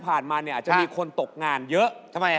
เพราะว่ารายการหาคู่ของเราเป็นรายการแรกนะครับ